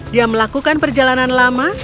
dia melakukan perjalanan lama